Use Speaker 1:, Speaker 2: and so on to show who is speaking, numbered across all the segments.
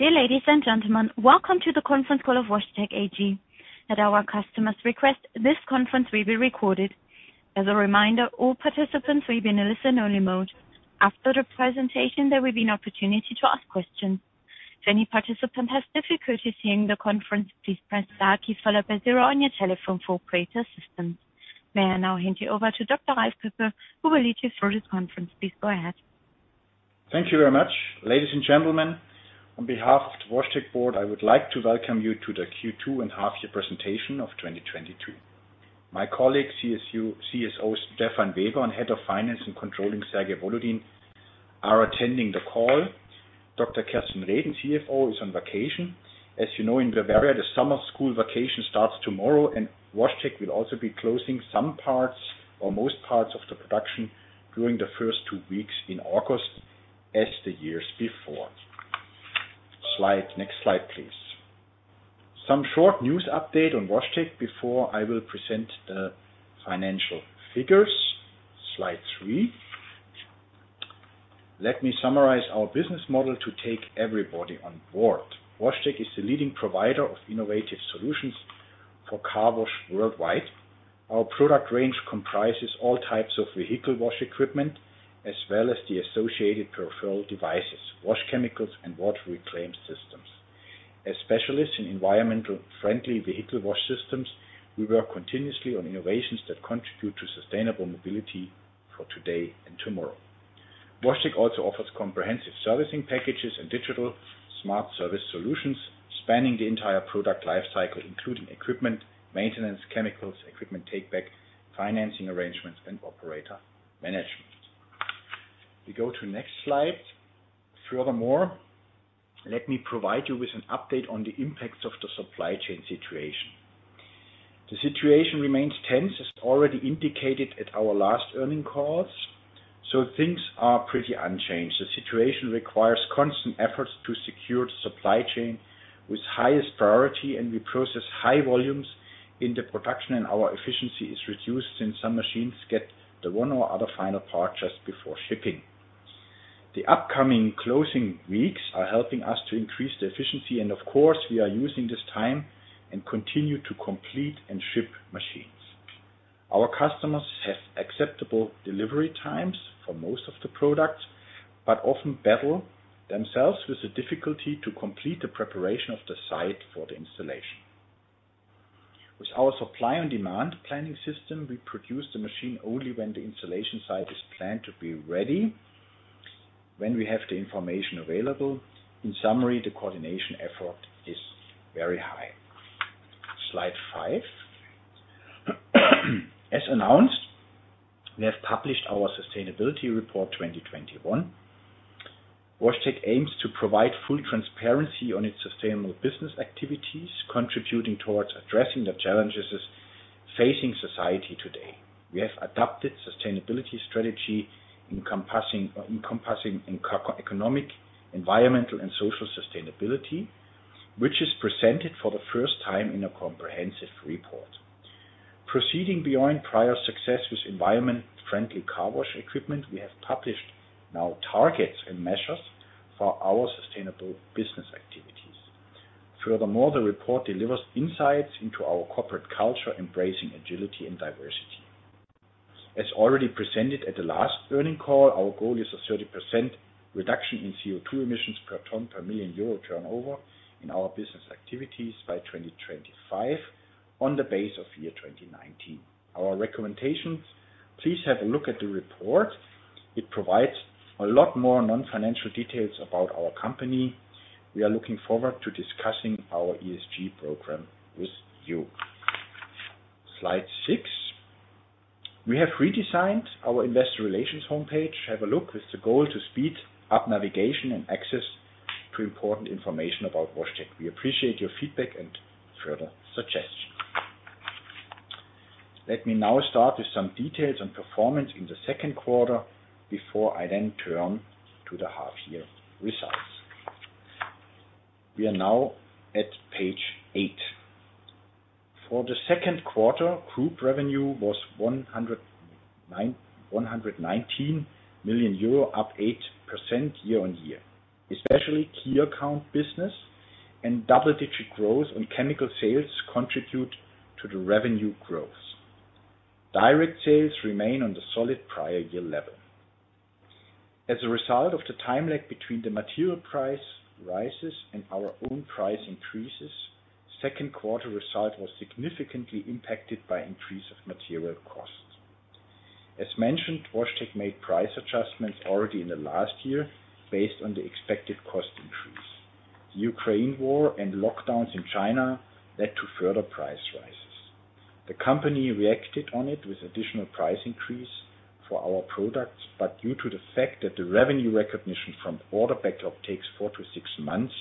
Speaker 1: Dear ladies and gentlemen, welcome to the conference call of WashTec AG. At our customer's request, this conference will be recorded. As a reminder, all participants will be in a listen-only mode. After the presentation, there will be an opportunity to ask questions. If any participant has difficulty hearing the conference, please press star key followed by zero on your telephone for operator assistance. May I now hand you over to Dr. Ralf Köppe, who will lead you through the conference. Please go ahead.
Speaker 2: Thank you very much. Ladies and gentlemen, on behalf of the WashTec board, I would like to welcome you to the Q2 and half year presentation of 2022. My colleague, CSO Stephan Weber, and Head of Finance and Controlling, Sebastian Kutz, are attending the call. Dr. Kerstin Reden, CFO, is on vacation. As you know, in Bavaria, the summer school vacation starts tomorrow, and WashTec will also be closing some parts or most parts of the production during the first two weeks in August, as the years before. Next slide, please. Some short news update on WashTec before I will present the financial figures. Slide three. Let me summarize our business model to take everybody on board. WashTec is the leading provider of innovative solutions for car wash worldwide. Our product range comprises all types of vehicle wash equipment, as well as the associated peripheral devices, wash chemicals and water reclaim systems. As specialists in environmentally friendly vehicle wash systems, we work continuously on innovations that contribute to sustainable mobility for today and tomorrow. WashTec also offers comprehensive servicing packages and digital smart service solutions spanning the entire product life cycle, including equipment, maintenance, chemicals, equipment take back, financing arrangements and operator management. We go to next slide. Furthermore, let me provide you with an update on the impacts of the supply chain situation. The situation remains tense, as already indicated at our last earnings calls, so things are pretty unchanged. The situation requires constant efforts to secure the supply chain with highest priority, and we process high volumes in the production, and our efficiency is reduced since some machines get the one or other final part just before shipping. The upcoming closing weeks are helping us to increase the efficiency, and of course, we are using this time and continue to complete and ship machines. Our customers have acceptable delivery times for most of the products, but often battle themselves with the difficulty to complete the preparation of the site for the installation. With our supply and demand planning system, we produce the machine only when the installation site is planned to be ready, when we have the information available. In summary, the coordination effort is very high. Slide five. As announced, we have published our sustainability report 2021. WashTec aims to provide full transparency on its sustainable business activities, contributing towards addressing the challenges facing society today. We have adopted sustainability strategy encompassing eco-economic, environmental and social sustainability, which is presented for the first time in a comprehensive report. Proceeding beyond prior success with environment-friendly car wash equipment, we have now published targets and measures for our sustainable business activities. Furthermore, the report delivers insights into our corporate culture, embracing agility and diversity. As already presented at the last earnings call, our goal is a 30% reduction in CO2 emissions per ton per 1 million euro turnover in our business activities by 2025 on the basis of year 2019. Our recommendation, please have a look at the report. It provides a lot more non-financial details about our company. We are looking forward to discussing our ESG program with you. Slide six. We have redesigned our investor relations homepage. Have a look. With the goal to speed up navigation and access to important information about WashTec. We appreciate your feedback and further suggestions. Let me now start with some details on performance in the Q2 before I then turn to the half-year results. We are now at page eight. For the Q2, group revenue was 119 million euro, up 8% year-over-year. Especially key account business and double-digit growth on chemical sales contribute to the revenue growth. Direct sales remain on the solid prior year level. As a result of the time lag between the material price rises and our own price increases, Q2 result was significantly impacted by increase of material costs. As mentioned, WashTec made price adjustments already in the last year based on the expected cost increase. The Ukraine war and lockdowns in China led to further price rises. The company reacted on it with additional price increase for our products, but due to the fact that the revenue recognition from order backlog takes four to six months,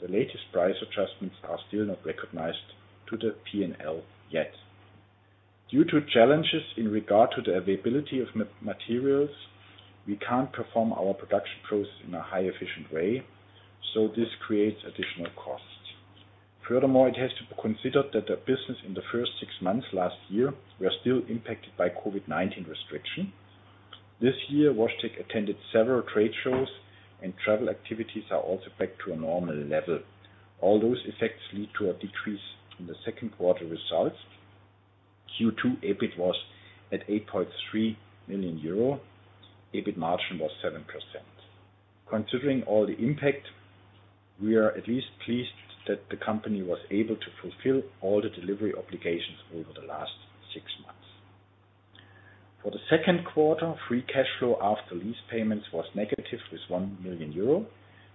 Speaker 2: the latest price adjustments are still not recognized to the P&L yet. Due to challenges in regard to the availability of materials, we can't perform our production process in a highly efficient way, so this creates additional costs. Furthermore, it has to be considered that the business in the first six months last year were still impacted by COVID-19 restriction. This year, WashTec attended several trade shows and travel activities are also back to a normal level. All those effects lead to a decrease in the Q2 results. Q2 EBIT was at 8.3 million euro. EBIT margin was 7%. Considering all the impact, we are at least pleased that the company was able to fulfill all the delivery obligations over the last six months. For the Q2, free cash flow after lease payments was negative with 1 million euro.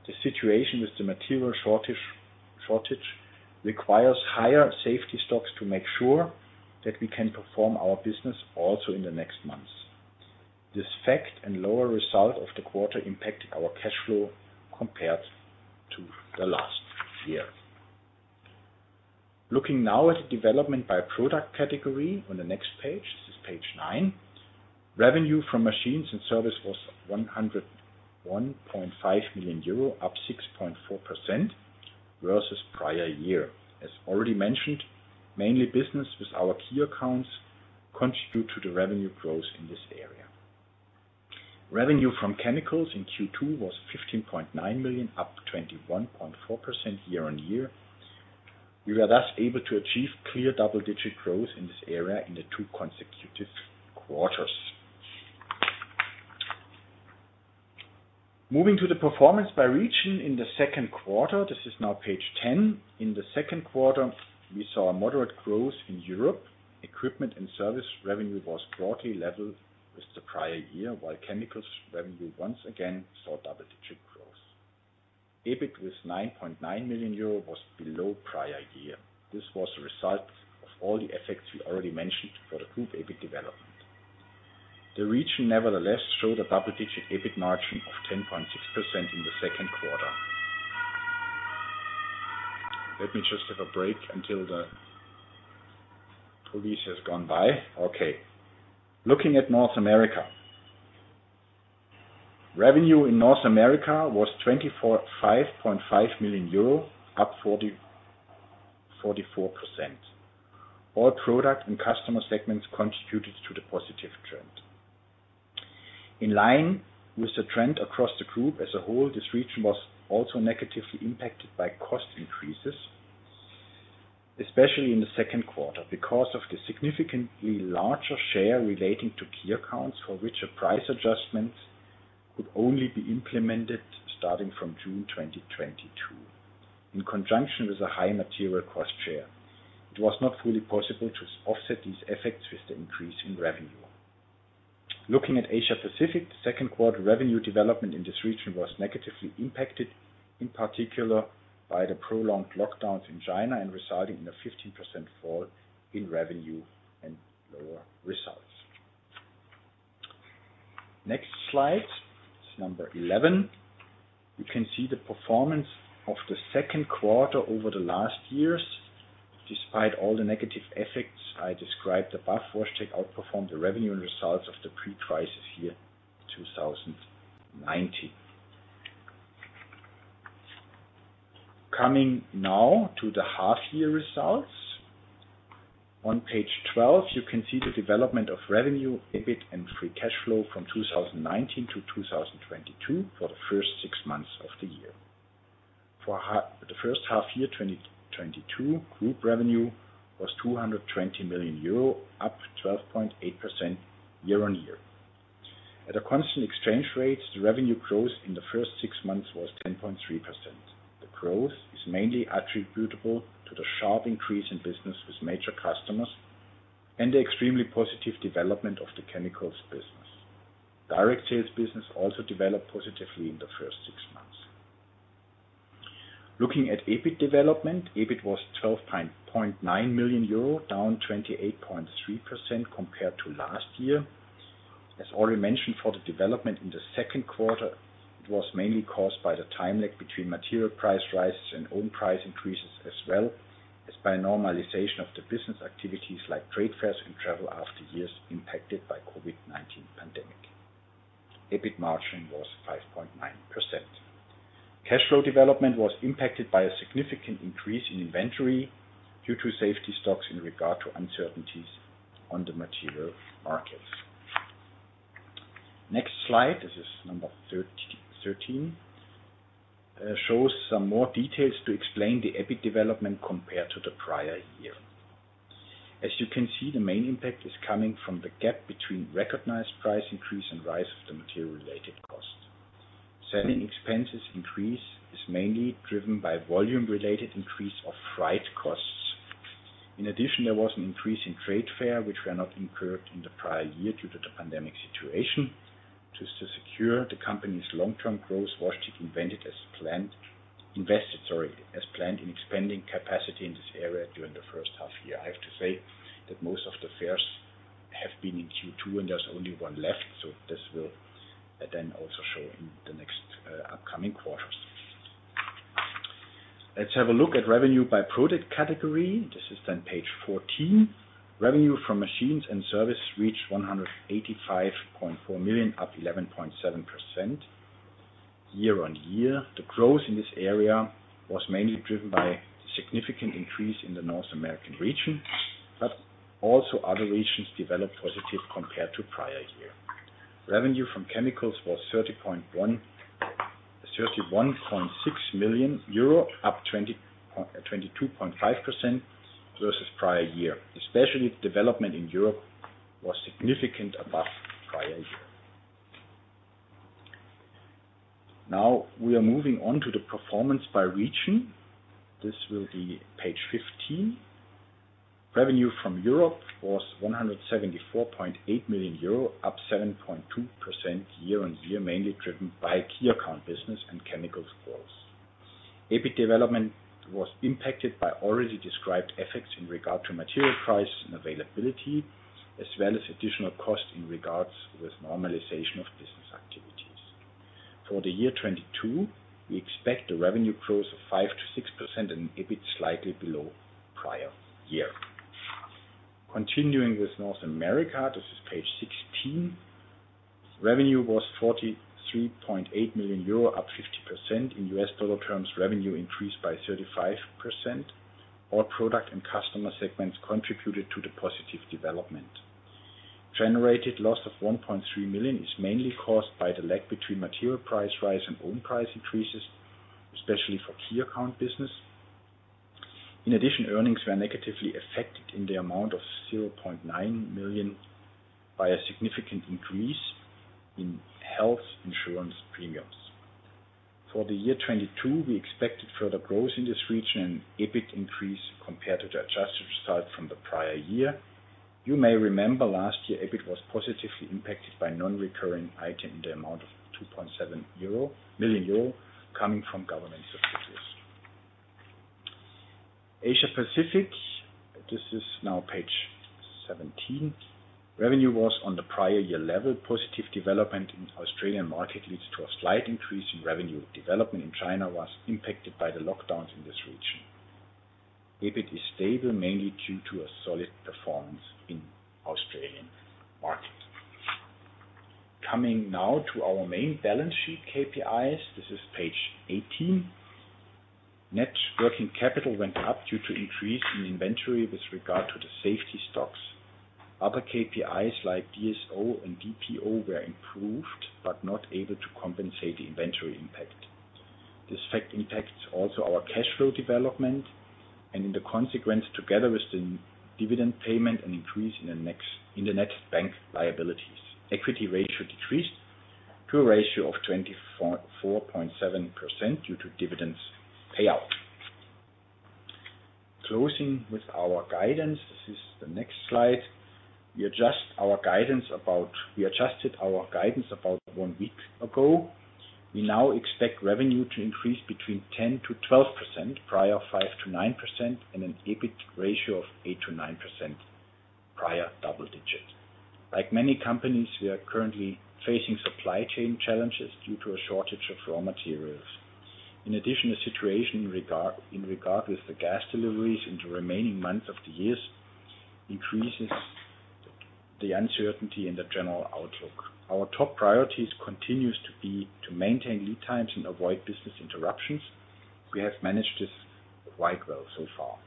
Speaker 2: The situation with the material shortage requires higher safety stocks to make sure that we can perform our business also in the next months. This fact and lower result of the quarter impacted our cash flow compared to the last year. Looking now at the development by product category on the next page. This is page nine. Revenue from machines and service was 101.5 million euro, up 6.4% versus prior year. As already mentioned, mainly business with our key accounts contribute to the revenue growth in this area. Revenue from chemicals in Q2 was 15.9 million, up 21.4% year-over-year. We were thus able to achieve clear double-digit growth in this area in the two consecutive quarters. Moving to the performance by region in the Q2. This is now page 10. In the Q2, we saw a moderate growth in Europe. Equipment and service revenue was broadly level with the prior year, while chemicals revenue once again saw double-digit growth. EBIT with 9.9 million euro was below prior year. This was a result of all the effects we already mentioned for the group EBIT development. The region nevertheless showed a double-digit EBIT margin of 10.6% in the Q2. Let me just have a break until the police has gone by. Okay. Looking at North America. Revenue in North America was 24.5 million euro, up 40, 44%. All product and customer segments contributed to the positive trend. In line with the trend across the group as a whole, this region was also negatively impacted by cost increases, especially in the Q2, because of the significantly larger share relating to key accounts for which a price adjustment could only be implemented starting from June 2022. In conjunction with the high material cost share, it was not fully possible to offset these effects with the increase in revenue. Looking at Asia-Pacific, second quarter revenue development in this region was negatively impacted, in particular by the prolonged lockdowns in China and resulting in a 15% fall in revenue and lower results. Next slide is number 11. You can see the performance of the Q2 over the last years. Despite all the negative effects I described above, WashTec outperformed the revenue and results of the pre-crisis year, 2019. Coming now to the half-year results. On page 12, you can see the development of revenue, EBIT and free cash flow from 2019 to 2022 for the first six months of the year. For the first half year 2022, group revenue was 220 million euro, up 12.8% year-on-year. At a constant exchange rate, the revenue growth in the first six months was 10.3%. The growth is mainly attributable to the sharp increase in business with major customers and the extremely positive development of the chemicals business. Direct sales business also developed positively in the first six months. Looking at EBIT development, EBIT was 12.9 million euro, down 28.3% compared to last year. As already mentioned for the development in the Q2, it was mainly caused by the time lag between material price rises and own price increases, as well as by normalization of the business activities like trade fairs and travel after years impacted by COVID-19 pandemic. EBIT margin was 5.9%. Cash flow development was impacted by a significant increase in inventory due to safety stocks in regard to uncertainties on the material markets. Next slide, this is number 13, shows some more details to explain the EBIT development compared to the prior year. As you can see, the main impact is coming from the gap between recognized price increase and rise of the material-related cost. Selling expenses increase is mainly driven by volume-related increase of freight costs. In addition, there was an increase in trade fairs, which were not incurred in the prior year due to the pandemic situation. To secure the company's long-term growth, WashTec invested, sorry, as planned in expanding capacity in this area during the first half year. I have to say that most of the fairs have been in Q2 and there's only one left, so this will then also show in the next upcoming quarters. Let's have a look at revenue by product category. This is then page 14. Revenue from machines and service reached 185.4 million, up 11.7% year-on-year. The growth in this area was mainly driven by significant increase in the North American region, but also other regions developed positive compared to prior year. Revenue from chemicals was 31.6 million euro, up 22.5% versus prior year. Especially the development in Europe was significantly above prior year. Now we are moving on to the performance by region. This will be page 15. Revenue from Europe was 174.8 million euro, up 7.2% year-on-year, mainly driven by key account business and chemicals growth. EBIT development was impacted by already described effects in regard to material prices and availability, as well as additional costs with regard to normalization of business activities. For the year 2022, we expect a revenue growth of 5%-6% and an EBIT slightly below prior year. Continuing with North America, this is page 16. Revenue was 43.8 million euro, up 50%. In U.S. dollar terms, revenue increased by 35%. All product and customer segments contributed to the positive development. Generated loss of 1.3 million is mainly caused by the lag between material price rise and own price increases, especially for key account business. In addition, earnings were negatively affected in the amount of 0.9 million by a significant increase in health insurance premiums. For the year 2022, we expected further growth in this region and EBIT increase compared to the adjusted start from the prior year. You may remember last year, EBIT was positively impacted by non-recurring item in the amount of 2.7 million euro coming from government subsidies. Asia Pacific, this is now page 17. Revenue was on the prior year level. Positive development in Australian market leads to a slight increase in revenue. Development in China was impacted by the lockdowns in this region. EBIT is stable mainly due to a solid performance in Australian market. Coming now to our main balance sheet, KPIs. This is page 18. Net working capital went up due to increase in inventory with regard to the safety stocks. Other KPIs like DSO and DPO were improved but not able to compensate the inventory impact. This fact impacts also our cash flow development, and in the consequence, together with the dividend payment, an increase in the net bank liabilities. Equity ratio decreased to a ratio of 24.7% due to dividends payout. Closing with our guidance, this is the next slide. We adjusted our guidance about one week ago. We now expect revenue to increase between 10%-12%, prior 5%-9%, and an EBIT ratio of 8%-9%, prior double digits. Like many companies, we are currently facing supply chain challenges due to a shortage of raw materials. In addition, the situation in regard with the gas deliveries in the remaining months of the years increases the uncertainty in the general outlook. Our top priorities continues to be to maintain lead times and avoid business interruptions. We have managed this quite well so far.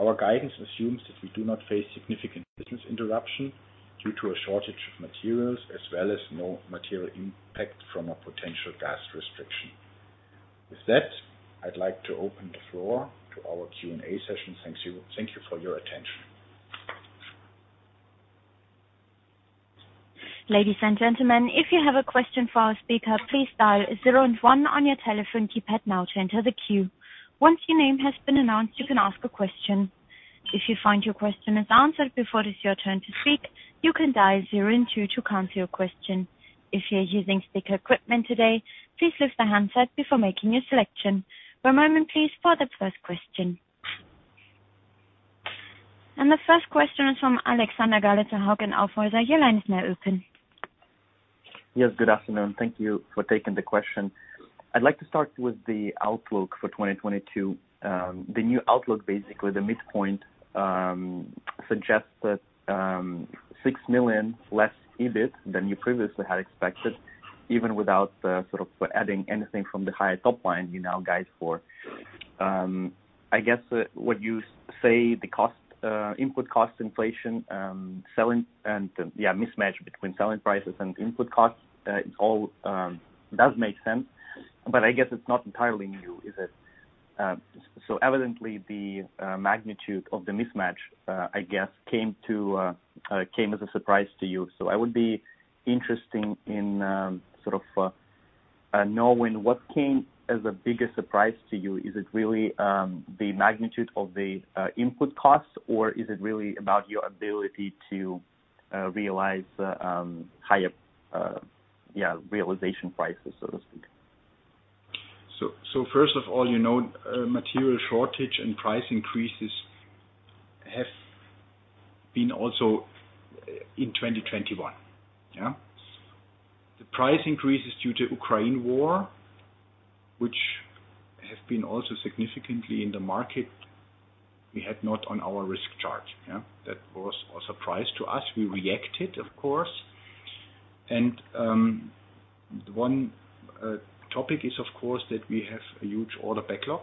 Speaker 2: Our guidance assumes that we do not face significant business interruption due to a shortage of materials as well as no material impact from a potential gas restriction. With that, I'd like to open the floor to our Q&A session. Thank you for your attention.
Speaker 1: Ladies and gentlemen, if you have a question for our speaker, please dial zero and one on your telephone keypad now to enter the queue. Once your name has been announced, you can ask a question. If you find your question is answered before it is your turn to speak, you can dial zero and two to cancel your question. If you're using speaker equipment today, please lift the handset before making your selection. One moment, please, for the first question. The first question is from Alexander Galitsin, Hauck Aufhäuser Lampe. Your line is now open.
Speaker 3: Yes, good afternoon. Thank you for taking the question. I'd like to start with the outlook for 2022. The new outlook, basically the midpoint, suggests that 6 million less EBIT than you previously had expected, even without sort of adding anything from the higher top line you now guide for. I guess what you say, the input cost inflation, mismatch between selling prices and input costs, it all does make sense, but I guess it's not entirely new, is it? Evidently the magnitude of the mismatch, I guess, came as a surprise to you. I would be interested in sort of knowing what came as the biggest surprise to you. Is it really the magnitude of the input costs, or is it really about your ability to realize higher realization prices, so to speak?
Speaker 2: First of all, you know, material shortage and price increases have been also in 2021. Yeah. The price increases due to Ukraine war, which have been also significantly in the market we had not on our risk charge, yeah. That was a surprise to us. We reacted, of course. One topic is of course that we have a huge order backlog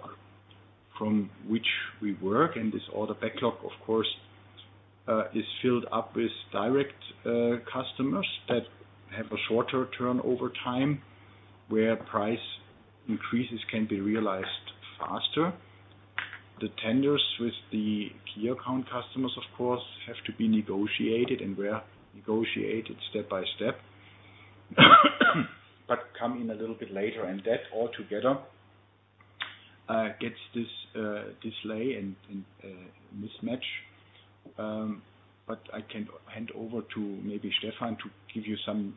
Speaker 2: from which we work, and this order backlog of course is filled up with direct customers that have a shorter turnover time, where price increases can be realized faster. The tenders with the key account customers of course have to be negotiated and were negotiated step by step, but come in a little bit later. That all together gets this delay and mismatch. I can hand over to maybe Stephan to give you some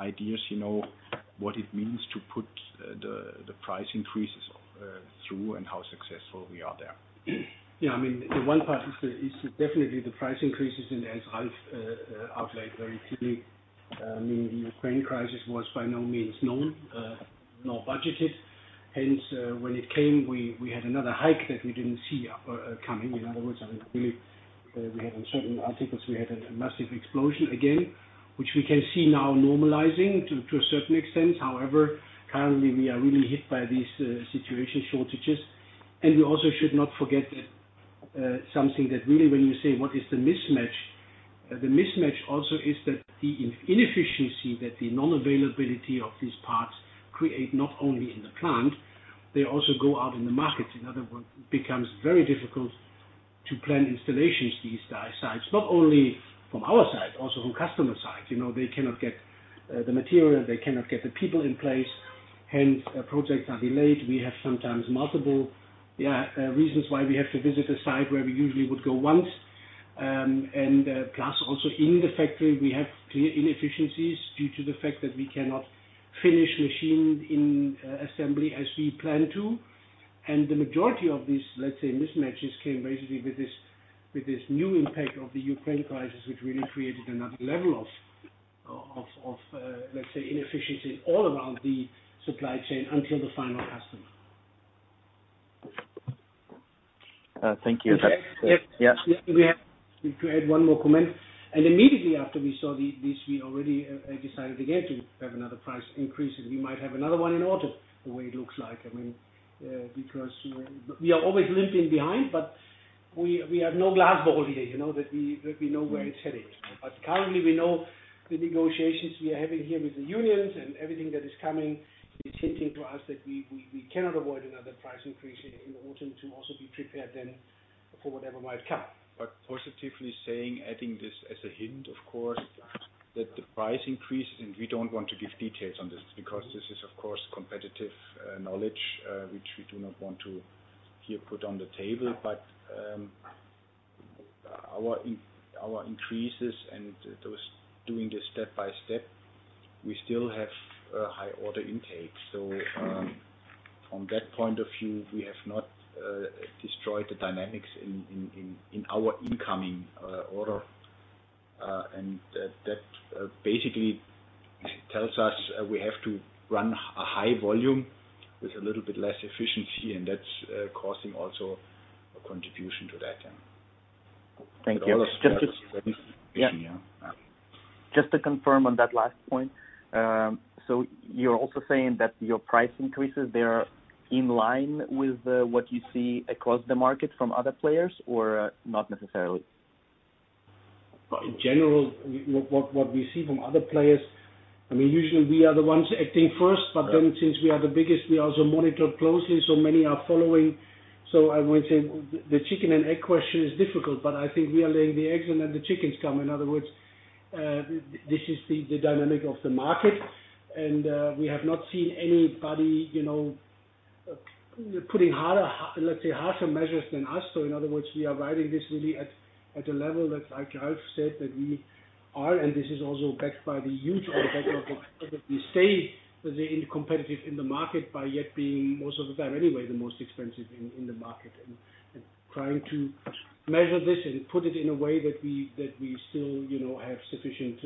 Speaker 2: ideas, you know, what it means to put the price increases through and how successful we are there.
Speaker 4: Yeah, I mean, the one part is definitely the price increases and as Ralf Köeppe outlined very clearly, I mean, the Ukraine crisis was by no means known nor budgeted. Hence, when it came, we had another hike that we didn't see coming. In other words, I mean, really, we had on certain articles a massive explosion again, which we can see now normalizing to a certain extent. However, currently we are really hit by these supply shortages. We also should not forget that something that really, when you say what is the mismatch, the mismatch also is that the inefficiency that the non-availability of these parts create not only in the plant, they also go out in the market. In other words, it becomes very difficult to plan installations these days. Not only from our side, also from customer side. You know, they cannot get the material, they cannot get the people in place, hence projects are delayed. We have sometimes multiple reasons why we have to visit a site where we usually would go once. Plus also in the factory, we have clear inefficiencies due to the fact that we cannot finish machine in assembly as we plan to. The majority of these, let's say, mismatches came basically with this new impact of the Ukraine crisis, which really created another level of, let's say, inefficiency all around the supply chain until the final customer.
Speaker 3: Thank you.
Speaker 4: If I...
Speaker 3: Yeah.
Speaker 4: If I could add one more comment. Immediately after we saw this, we already decided again to have another price increase, and we might have another one in autumn, the way it looks like. I mean, because we are always limping behind, but we have no crystal ball here, you know, that we know where it's headed. Currently we know the negotiations we are having here with the unions and everything that is coming is hinting to us that we cannot avoid another price increase in the autumn to also be prepared then for whatever might come.
Speaker 2: Positively saying, adding this as a hint, of course, that the price increase, and we don't want to give details on this because this is of course competitive knowledge, which we do not want to hear put on the table. Our increases and those doing this step by step, we still have a high order intake. From that point of view, we have not destroyed the dynamics in our incoming order. That basically tells us we have to run a high volume with a little bit less efficiency, and that's causing also a contribution to that.
Speaker 3: Thank you.
Speaker 2: all of
Speaker 3: Yeah. Just to confirm on that last point. You're also saying that your price increases, they are in line with what you see across the market from other players or not necessarily?
Speaker 4: In general, what we see from other players. I mean, usually we are the ones acting first, but then since we are the biggest, we also monitor closely, so many are following. I would say the chicken and egg question is difficult, but I think we are laying the eggs and then the chickens come. In other words, this is the dynamic of the market. We have not seen anybody, you know, putting harder, let's say, harsher measures than us. In other words, we are riding this really at a level that, like Ralf said, we are, and this is also backed by the huge order backlog that we stay competitive in the market by yet being most of the time anyway, the most expensive in the market. Trying to measure this and put it in a way that we still, you know, have sufficient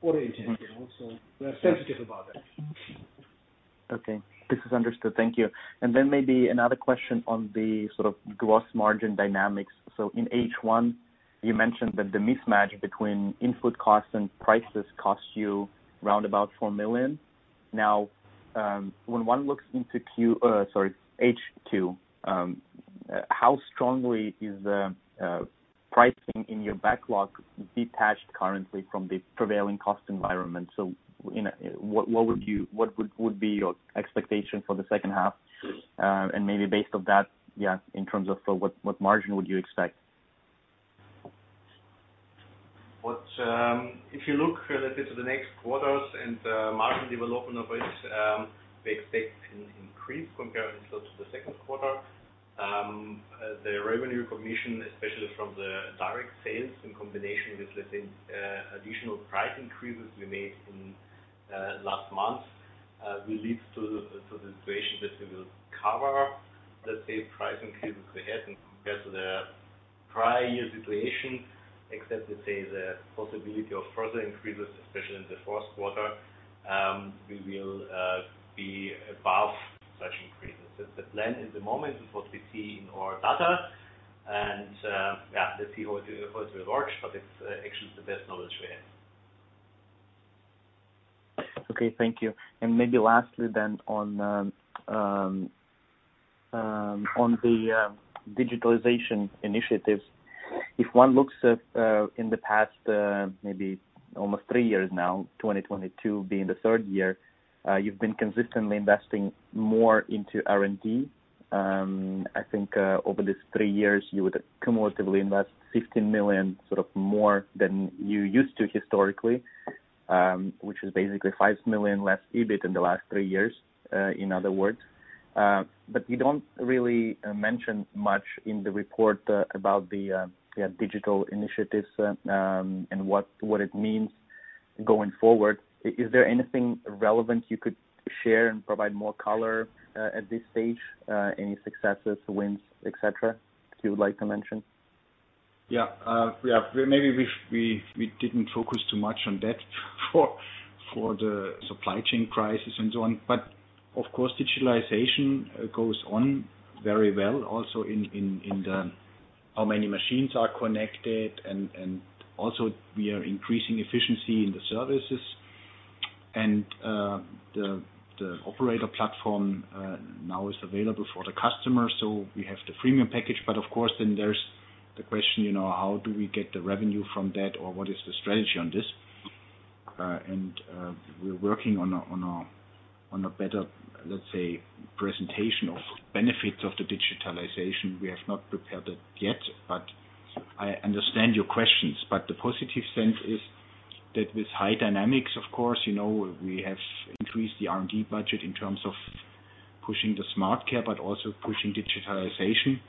Speaker 4: order intent, you know. We're sensitive about that.
Speaker 3: Okay. This is understood. Thank you. Then maybe another question on the sort of gross margin dynamics. In H1, you mentioned that the mismatch between input costs and prices cost you around 4 million. Now, when one looks into H2, how strongly is the pricing in your backlog detached currently from the prevailing cost environment? What would be your expectation for the second half? And maybe based on that, yeah, in terms of, so what margin would you expect?
Speaker 2: What if you look related to the next quarters and margin development of which we expect an increase compared to the Q2, the revenue recognition, especially from the direct sales in combination with, let's say, additional price increases we made in last month, will lead to the situation that we will cover, let's say, price increases ahead in comparison to the prior year situation, except let's say the possibility of further increases, especially in the Q1, we will be above such increases. That's the plan at the moment. It's what we see in our data and yeah, let's see how it will work, but it's actually the best knowledge we have.
Speaker 3: Okay, thank you. Maybe lastly then on the digitalization initiatives. If one looks at in the past maybe almost three years now, 2022 being the third year, you've been consistently investing more into R&D. I think over these three years, you would accumulatively invest 15 million, sort of more than you used to historically, which is basically 5 million less EBIT in the last three years, in other words. You don't really mention much in the report about the digital initiatives, and what it means going forward. Is there anything relevant you could share and provide more color at this stage, any successes, wins, et cetera, you would like to mention?
Speaker 2: Yeah. Yeah. Maybe we didn't focus too much on that for the supply chain crisis and so on. Of course, digitalization goes on very well also in how many machines are connected and also we are increasing efficiency in the services. The operator platform now is available for the customer, so we have the premium package. Of course, then there's the question, you know, how do we get the revenue from that? Or what is the strategy on this? We're working on a better, let's say, presentation of benefits of the digitalization. We have not prepared it yet, but I understand your questions. The positive sense is that with high dynamics, of course, you know, we have increased the R&D budget in terms of pushing the SmartCare, but also pushing digitalization.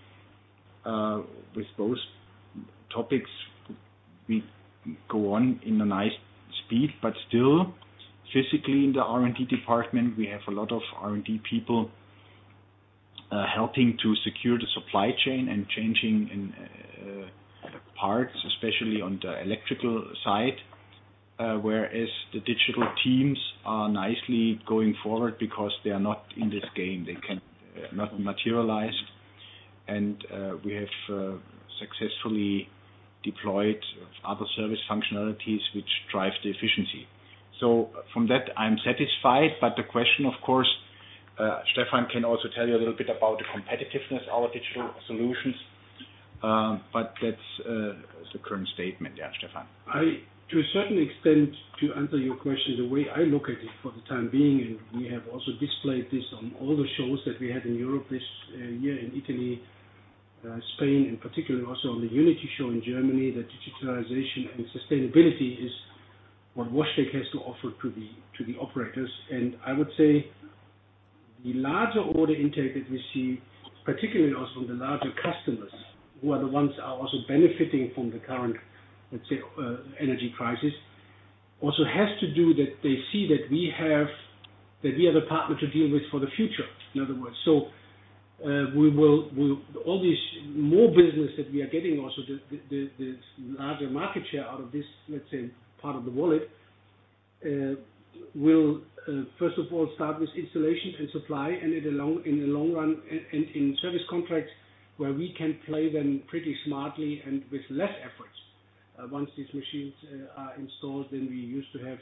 Speaker 2: With those topics, we go on in a nice speed, but still physically in the R&D department, we have a lot of R&D people helping to secure the supply chain and changing in parts, especially on the electrical side. Whereas the digital teams are nicely going forward because they are not in this game. They cannot materialize. We have successfully deployed other service functionalities which drive the efficiency. From that, I'm satisfied. The question of course, Stephan can also tell you a little bit about the competitiveness of our digital solutions. That's the current statement. Yeah. Stephan.
Speaker 4: To a certain extent, to answer your question, the way I look at it for the time being, and we have also displayed this on all the shows that we had in Europe this year in Italy, Spain, and particularly also on the UNITI expo in Germany, that digitalization and sustainability is what WashTec has to offer to the operators. I would say the larger order intake that we see, particularly also the larger customers, who are the ones are also benefiting from the current, let's say, energy crisis, also has to do that they see that we have, that we are the partner to deal with for the future, in other words. All these more business that we are getting also, the larger market share out of this, let's say, part of the wallet, will first of all start with installation and supply, and in the long run, in service contracts where we can play them pretty smartly and with less efforts, once these machines are installed than we used to have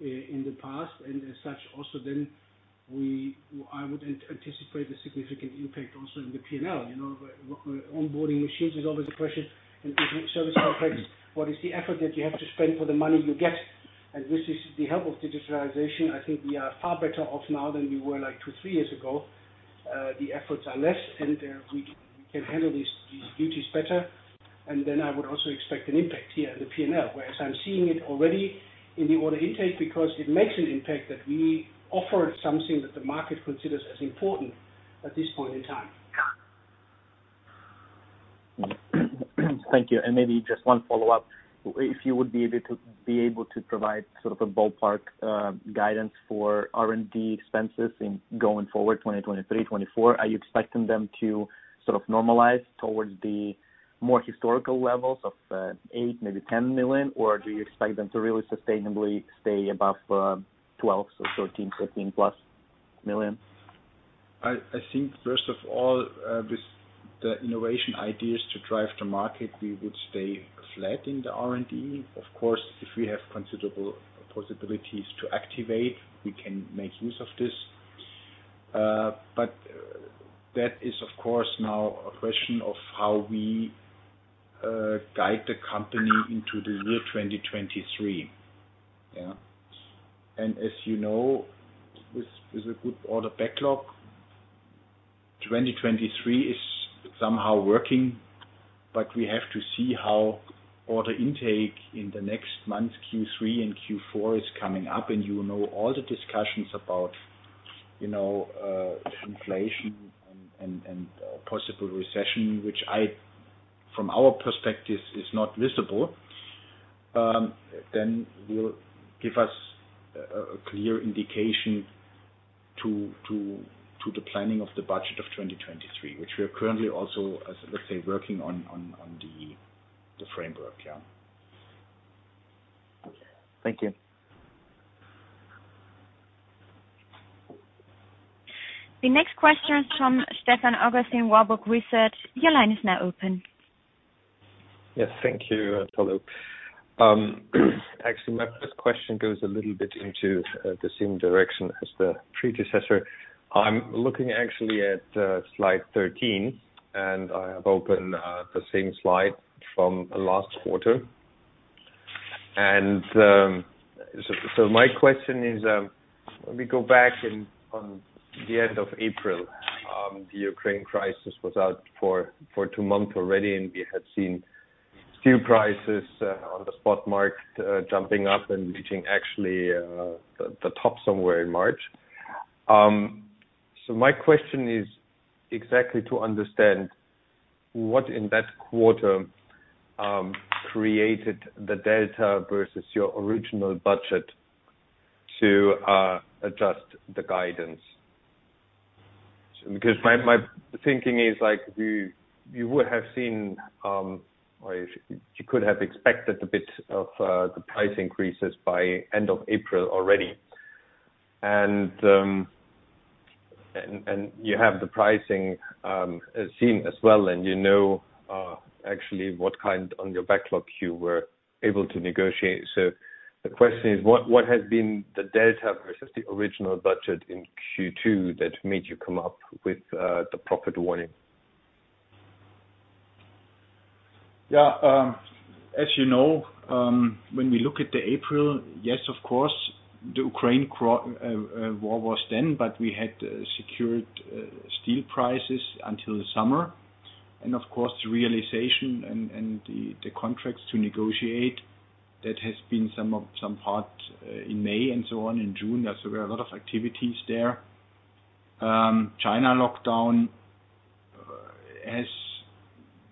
Speaker 4: in the past. As such also then I would anticipate a significant impact also in the P&L. You know, with onboarding machines, there's always a question in different service contracts, what is the effort that you have to spend for the money you get? With this is the help of digitalization, I think we are far better off now than we were like two, three years ago. The efforts are less, and we can handle these duties better. I would also expect an impact here in the P&L, whereas I'm seeing it already in the order intake because it makes an impact that we offer something that the market considers as important at this point in time.
Speaker 3: Thank you. Maybe just one follow-up. If you would be able to provide sort of a ballpark guidance for R&D expenses going forward, 2023, 2024. Are you expecting them to sort of normalize towards the more historical levels of 8 million, maybe 10 million, or do you expect them to really sustainably stay above 12 million, so 13+ million?
Speaker 2: I think first of all, with the innovation ideas to drive the market, we would stay flat in the R&D. Of course, if we have considerable possibilities to activate, we can make use of this. That is of course now a question of how we guide the company into the year 2023. Yeah. As you know, with a good order backlog, 2023 is somehow working, but we have to see how order intake in the next months, Q3 and Q4 is coming up. You know, all the discussions about, you know, inflation and possible recession, which from our perspective is not visible. Will give us a clear indication to the planning of the budget of 2023, which we are currently also, as let's say, working on the framework. Yeah.
Speaker 3: Thank you.
Speaker 1: The next question is from Stefan Augustin, Warburg Research. Your line is now open.
Speaker 5: Yes. Thank you, Paula. Actually, my first question goes a little bit into the same direction as the predecessor. I'm looking actually at slide 13, and I have opened the same slide from last quarter. My question is, when we go back in on the end of April, the Ukraine crisis was out for two months already, and we had seen steel prices on the spot market jumping up and reaching actually the top somewhere in March. My question is exactly to understand what in that quarter created the delta versus your original budget to adjust the guidance. Because my thinking is like, you would have seen or you could have expected a bit of the price increases by end of April already. You have the pricing seen as well, and you know, actually what kind of your backlog you were able to negotiate. The question is, what has been the delta versus the original budget in Q2 that made you come up with the profit warning?
Speaker 2: Yeah. As you know, when we look at April, yes, of course, the Ukraine war was then, but we had secured steel prices until the summer. Of course, the realization and the contracts to negotiate that has been some part in May and so on in June. There are a lot of activities there. China lockdown has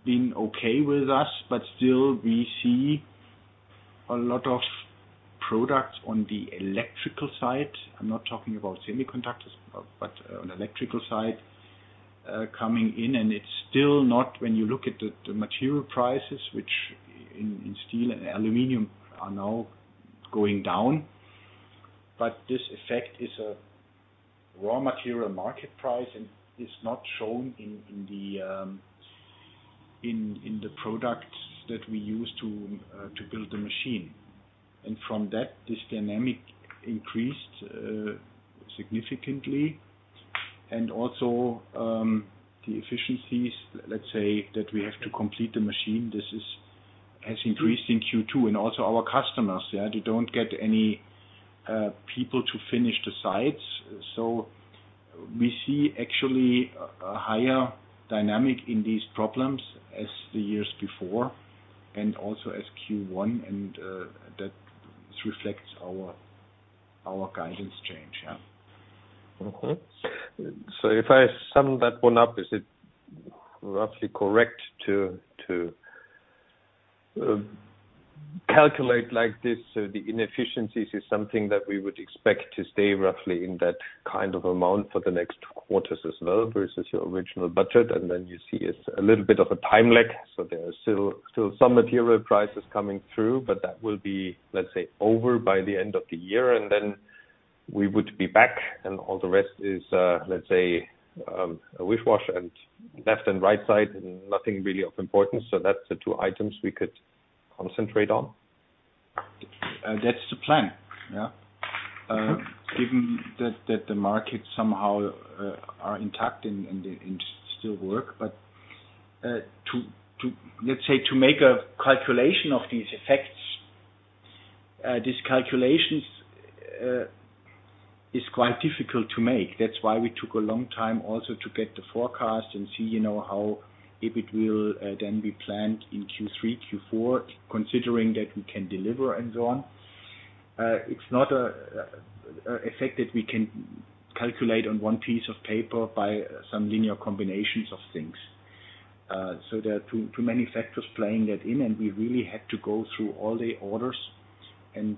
Speaker 2: been okay with us, but still we see a lot of products on the electrical side. I'm not talking about semiconductors, but on electrical side coming in, and it's still not when you look at the material prices which in steel and aluminum are now going down. This effect is a raw material market price and is not shown in the products that we use to build the machine. From that, this dynamic increased significantly. Also, the efficiencies, let's say, that we have to complete the machine. This has increased in Q2, and also our customers, yeah, they don't get any people to finish the sites. We see actually a higher dynamic in these problems as the years before, and also as Q1, and that reflects our guidance change. Yeah.
Speaker 5: Mm-hmm. If I sum that one up, is it roughly correct to calculate like this? The inefficiencies is something that we would expect to stay roughly in that kind of amount for the next quarters as well, versus your original budget, and then you see it's a little bit of a time lag. There are still some material prices coming through, but that will be, let's say, over by the end of the year, and then we would be back and all the rest is a wash and left and right side and nothing really of importance. That's the two items we could concentrate on.
Speaker 2: That's the plan. Given that the markets somehow are intact and still work, but to let's say to make a calculation of these effects, these calculations is quite difficult to make. That's why we took a long time also to get the forecast and see, you know, how if it will then be planned in Q3, Q4, considering that we can deliver and so on. It's not an effect that we can calculate on one piece of paper by some linear combinations of things. There are too many factors playing that in, and we really had to go through all the orders and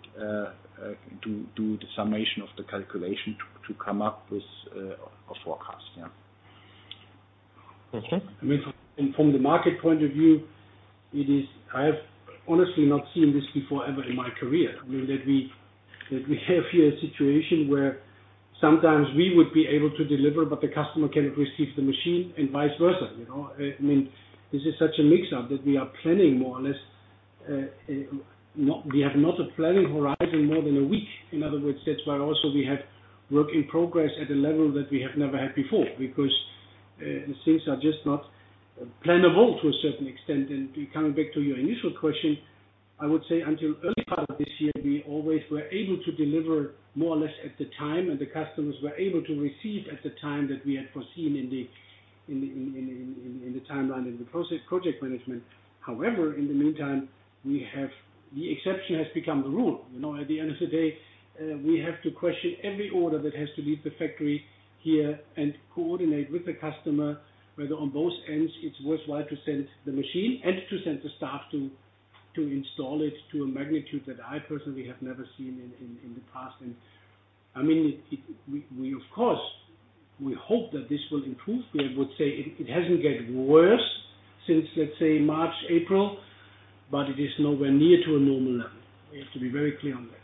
Speaker 2: do the summation of the calculation to come up with a forecast.
Speaker 4: Okay. I mean, from the market point of view, it is. I have honestly not seen this before ever in my career. I mean, that we have here a situation where sometimes we would be able to deliver, but the customer can't receive the machine and vice versa. You know? I mean, this is such a mix up that we are planning more or less. We have not a planning horizon more than a week. In other words, that's why also we have work in progress at a level that we have never had before because things are just not plannable to a certain extent. Coming back to your initial question, I would say until early part of this year, we always were able to deliver more or less at the time, and the customers were able to receive at the time that we had foreseen in the timeline, in the process, project management. However, in the meantime, the exception has become the rule. You know, at the end of the day, we have to question every order that has to leave the factory here and coordinate with the customer, whether on both ends it's worthwhile to send the machine and to send the staff to To install it to a magnitude that I personally have never seen in the past. I mean, we of course hope that this will improve. We would say it hasn't got worse since, let's say, March, April, but it is nowhere near to a normal level. We have to be very clear on that.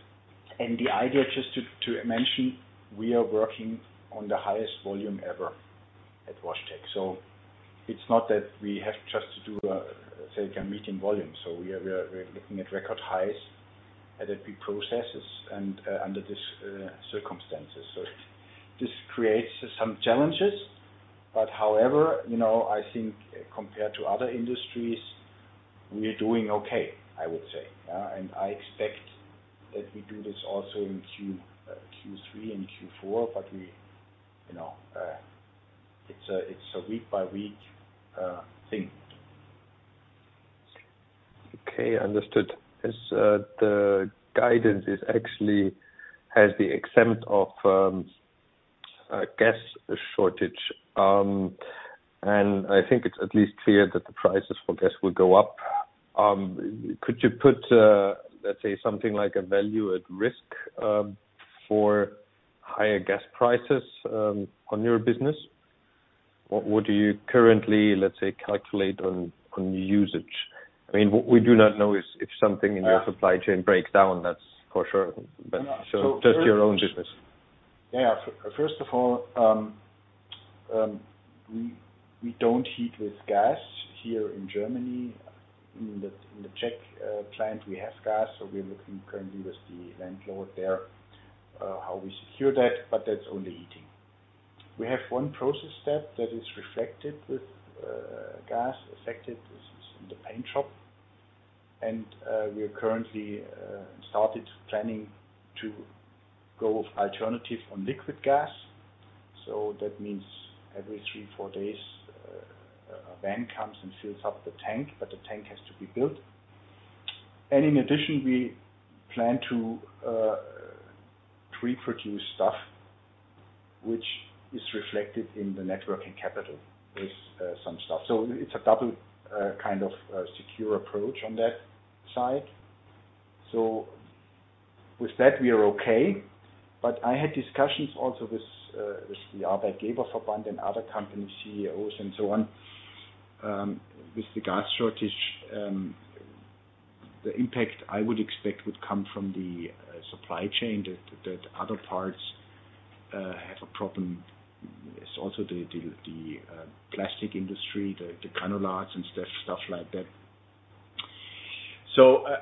Speaker 2: The idea, just to mention, we are working on the highest volume ever at WashTec. It's not that we have just to do a, say, a meeting volume. We're looking at record highs at every processes and under these circumstances. This creates some challenges, but however, you know, I think compared to other industries, we are doing okay, I would say. I expect that we do this also in Q3 and Q4, but we, you know, it's a week by week thing.
Speaker 5: Okay, understood. As the guidance actually has the exemption of gas shortage, and I think it's at least clear that the prices for gas will go up. Could you put, let's say, something like a value at risk for higher gas prices on your business? What do you currently, let's say, calculate on usage? I mean, what we do not know is if something in your supply chain breaks down, that's for sure. Just your own business.
Speaker 2: Yeah. First of all, we don't heat with gas here in Germany. In the Czech plant, we have gas, so we're looking currently with the landlord there, how we secure that, but that's only heating. We have one process step that is reflected with gas, affected. This is in the paint shop. We are currently started planning to go alternative on liquid gas. That means every three, four days, a van comes and fills up the tank, but the tank has to be built. In addition, we plan to pre-produce stuff, which is reflected in the net working capital with some stuff. It's a double kind of secure approach on that side. With that, we are okay. I had discussions also with the Arbeitgeberverband and other company CEOs and so on, with the gas shortage. The impact I would expect would come from the supply chain that other parts have a problem. It's also the plastic industry, the granulates and stuff like that.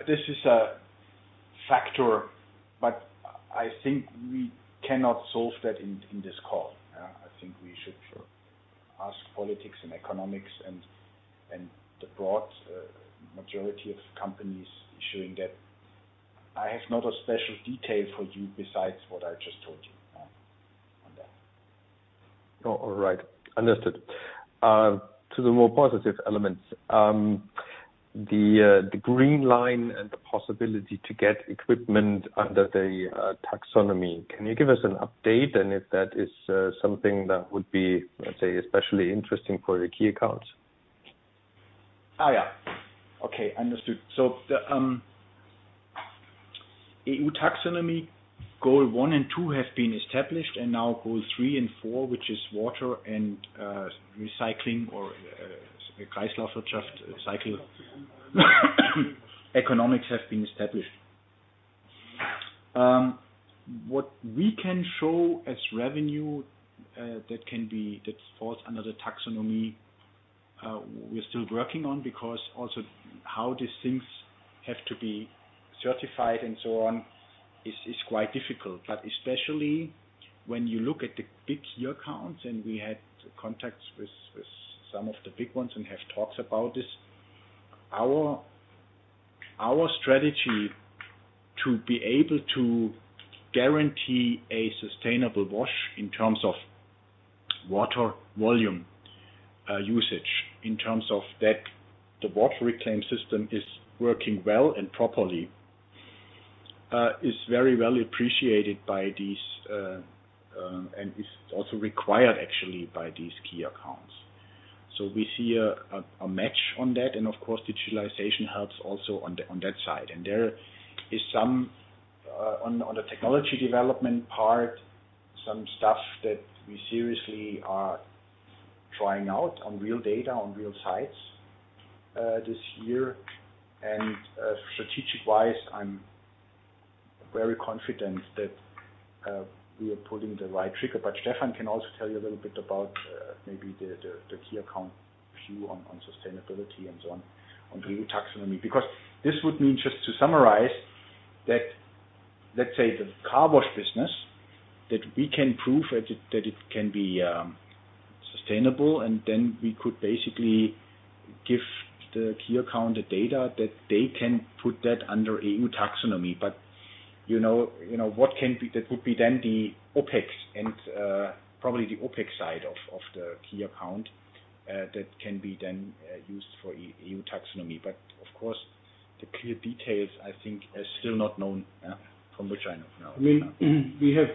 Speaker 2: This is a factor, but I think we cannot solve that in this call. I think we should ask politics and economics and the broad majority of companies ensuring that I have not a special detail for you besides what I just told you on that.
Speaker 5: Oh, all right. Understood. To the more positive elements, the green line and the possibility to get equipment under the taxonomy. Can you give us an update and if that is something that would be, let's say, especially interesting for your key accounts?
Speaker 2: The EU taxonomy goals one and two have been established, and now goals three and four, which are water and recycling or economics, have been established. What we can show as revenue that falls under the taxonomy we're still working on because also how these things have to be certified and so on is quite difficult. Especially when you look at the big key accounts, and we had contacts with some of the big ones and have talks about this. Our strategy to be able to guarantee a sustainable wash in terms of water volume usage, in terms of that the water reclaim system is working well and properly, is very well appreciated by these, and is also required actually by these key accounts. We see a match on that, and of course, digitalization helps also on that side. There is some on the technology development part, some stuff that we seriously are trying out on real data, on real sites, this year. Strategic-wise, I'm very confident that we are pulling the right trigger. Stephan can also tell you a little bit about maybe the key account view on sustainability and so on the EU taxonomy. Because this would mean, just to summarize, that, let's say, the car wash business, that we can prove that it can be sustainable, and then we could basically give the key account the data that they can put that under EU taxonomy. You know, that would be then the OpEx and probably the OpEx side of the key account that can be then used for EU taxonomy. Of course, the clear details, I think, are still not known from which I know for now.
Speaker 4: I mean, we have.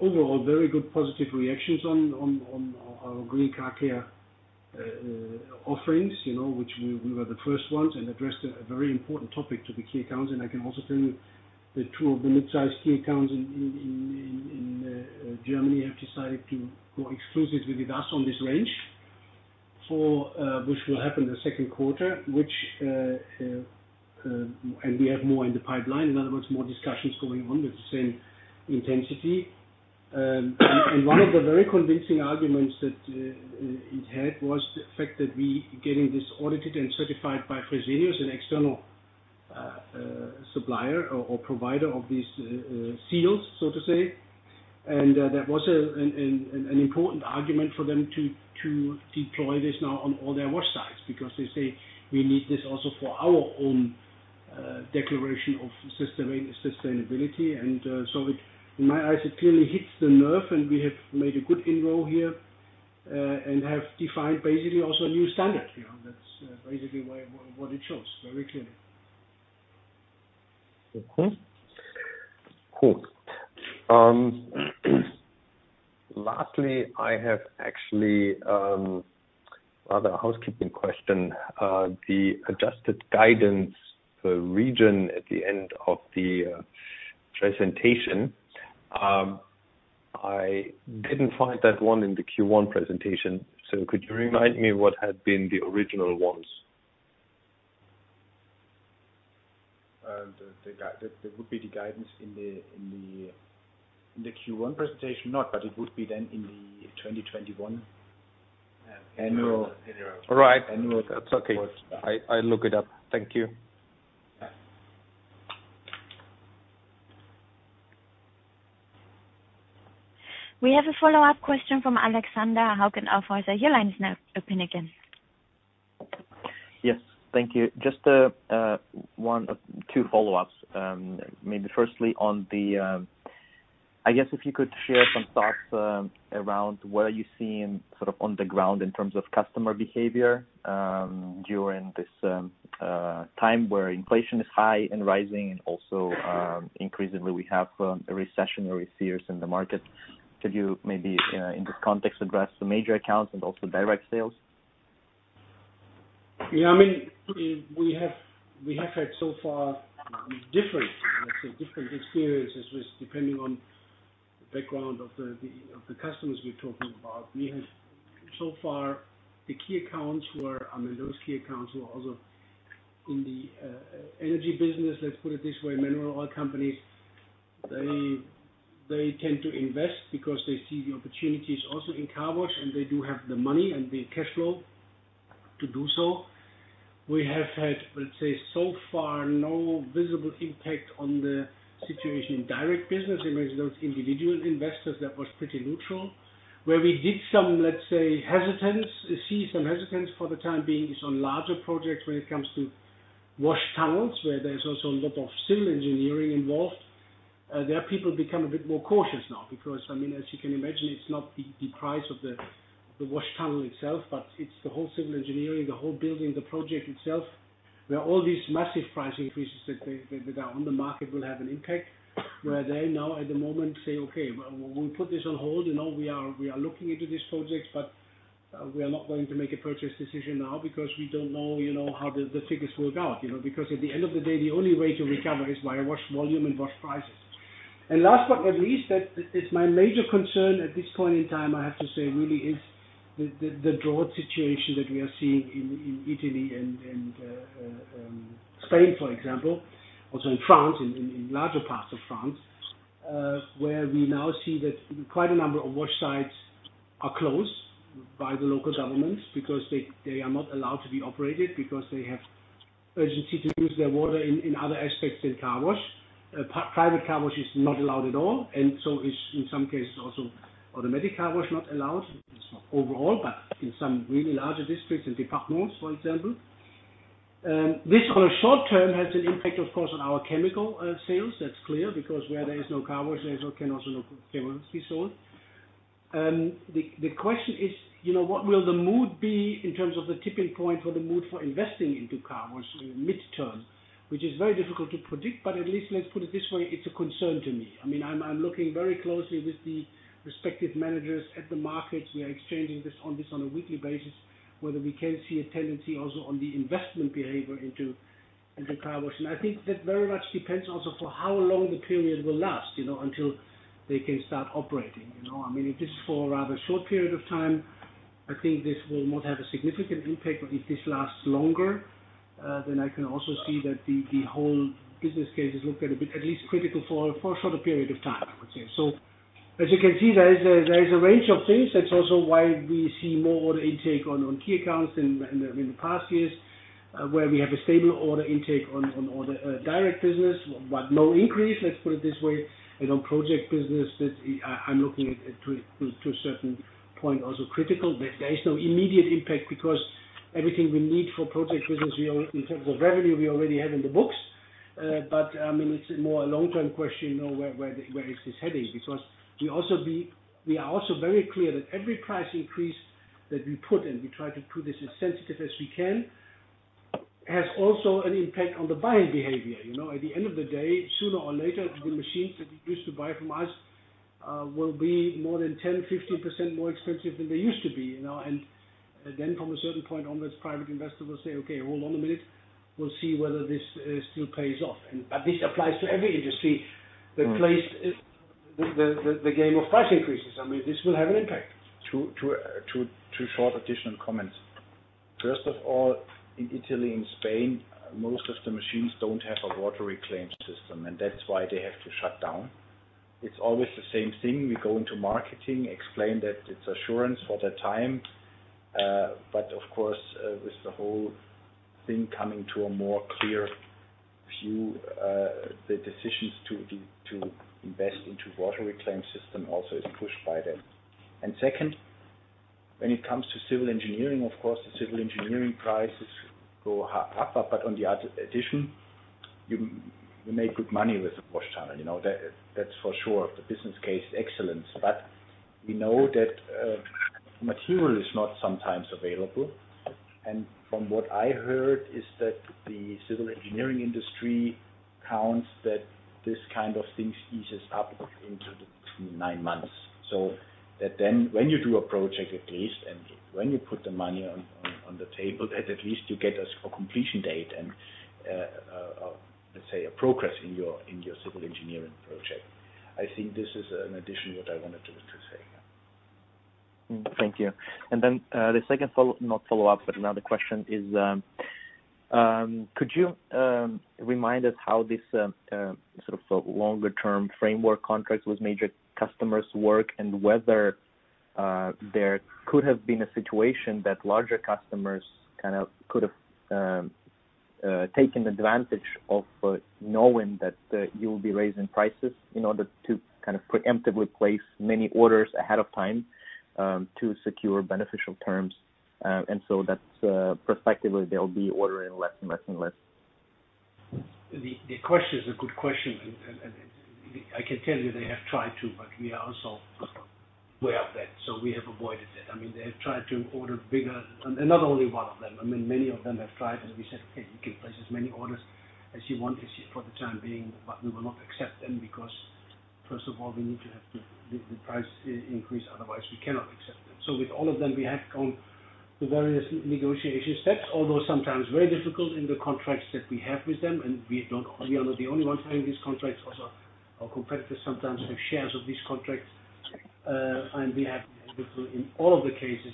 Speaker 4: Overall, very good positive reactions on our Green Car Care offerings, you know, which we were the first ones and addressed a very important topic to the key accounts. I can also tell you that two of the midsize key accounts in Germany have decided to go exclusive with us on this range, which will happen the Q2, and we have more in the pipeline. In other words, more discussions going on with the same intensity. One of the very convincing arguments that it had was the fact that we're getting this audited and certified by Fresenius, an external supplier or provider of these seals, so to say. That was an important argument for them to deploy this now on all their wash sites because they say, "We need this also for our own declaration of sustainability." So it, in my eyes, clearly hits the nerve, and we have made a good inroad here and have defined basically also a new standard. You know, that's basically why what it shows very clearly.
Speaker 5: Cool. Lastly, I have actually another housekeeping question. The adjusted guidance for region at the end of the presentation, I didn't find that one in the Q1 presentation. Could you remind me what had been the original ones?
Speaker 4: That would be the guidance in the Q1 presentation? No, but it would be then in the 2021 annual-
Speaker 5: All right.
Speaker 4: Annual.
Speaker 5: That's okay. I'll look it up. Thank you.
Speaker 4: Yeah.
Speaker 1: We have a follow-up question from Alexander. Your line is now open again.
Speaker 3: Yes. Thank you. Just two follow-ups. Maybe firstly on the, I guess if you could share some thoughts around what are you seeing sort of on the ground in terms of customer behavior during this time where inflation is high and rising and also increasingly we have a recession fears in the market. Could you maybe in this context address the major accounts and also direct sales?
Speaker 4: Yeah. I mean, we have had so far different, let's say, experiences with, depending on the background of the customers we're talking about. We have so far the key accounts who are, I mean, those key accounts who are also in the energy business, let's put it this way, mineral oil companies. They tend to invest because they see the opportunities also in car wash, and they do have the money and the cash flow to do so. We have had, let's say, so far, no visible impact on the situation in direct business. You mentioned those individual investors, that was pretty neutral. Where we see some hesitance for the time being is on larger projects when it comes to wash tunnels, where there's also a lot of civil engineering involved. They're becoming a bit more cautious now because, I mean, as you can imagine, it's not the price of the wash tunnel itself, but it's the whole civil engineering, the whole building, the project itself, where all these massive price increases that are on the market will have an impact where they now at the moment say, "Okay, we'll put this on hold. You know, we are looking into these projects, but we are not going to make a purchase decision now because we don't know, you know, how the figures work out." You know, because at the end of the day, the only way to recover is via wash volume and wash prices. Last but not least, that is my major concern at this point in time, I have to say, really is the drought situation that we are seeing in Italy and Spain, for example, also in France, in larger parts of France, where we now see that quite a number of wash sites are closed by the local governments because they are not allowed to be operated because they have urgency to use their water in other aspects than car wash. Private car wash is not allowed at all. So is in some cases also automatic car wash not allowed. It's not overall, but in some really larger districts, in departments, for example. This on a short term has an impact, of course, on our chemical sales. That's clear because where there is no car wash, there's also no chemicals to be sold. The question is, you know, what will the mood be in terms of the tipping point for the mood for investing into car wash midterm, which is very difficult to predict, but at least let's put it this way, it's a concern to me. I mean, I'm looking very closely with the respective managers at the markets. We are exchanging this on a weekly basis, whether we can see a tendency also on the investment behavior into car wash. I think that very much depends also for how long the period will last, you know, until they can start operating. You know, I mean, if it's for a rather short period of time, I think this will not have a significant impact. If this lasts longer, then I can also see that the whole business case is looked at a bit, at least critical for a shorter period of time, I would say. As you can see, there is a range of things. That's also why we see more order intake on key accounts in the past years, where we have a stable order intake on our direct business, but no increase, let's put it this way. On project business that I'm looking at to a certain point also critical. There is no immediate impact because everything we need for project business we own. In terms of revenue, we already have in the books. I mean, it's more a long-term question, you know, where is this heading? Because we are also very clear that every price increase that we put in, we try to do this as sensitively as we can, has also an impact on the buying behavior. You know, at the end of the day, sooner or later, the machines that you used to buy from us will be more than 10%-15% more expensive than they used to be, you know. From a certain point onwards, private investors will say, "Okay, hold on a minute. We'll see whether this still pays off." This applies to every industry that plays the game of price increases. I mean, this will have an impact.
Speaker 2: Two short additional comments. First of all, in Italy and Spain, most of the machines don't have a water reclaim system, and that's why they have to shut down. It's always the same thing. We go into marketing, explain that it's assurance for the time. Of course, with the whole thing coming to a more clear view, the decisions to invest into water reclaim system also is pushed by them. Second, when it comes to civil engineering, of course, the civil engineering prices go up, but in addition, you make good money with the wash tower, you know, that's for sure. The business case excellence. We know that material is not sometimes available, and from what I heard is that the civil engineering industry counts that this kind of thing eases up into the nine months. That then when you do a project, at least, and when you put the money on the table, that at least you get a completion date and let's say a progress in your civil engineering project. I think this is an addition what I wanted to say.
Speaker 3: Thank you. The second question is, could you remind us how this sort of longer-term framework contracts with major customers work and whether there could have been a situation that larger customers kind of could taken advantage of, knowing that you'll be raising prices in order to kind of preemptively place many orders ahead of time to secure beneficial terms? That's prospectively, they'll be ordering less and less.
Speaker 4: The question is a good question, and I can tell you they have tried to, but we are also aware of that, so we have avoided that. I mean, they have tried to order bigger. Not only one of them, I mean, many of them have tried, and we said, "Okay, you can place as many orders as you want, for the time being, but we will not accept them because, first of all, we need to have the price increase, otherwise we cannot accept them." With all of them, we have gone to various negotiations. That's, although sometimes very difficult in the contracts that we have with them, and we are not the only ones having these contracts. Also, our competitors sometimes have shares of these contracts. We have been able to, in all of the cases,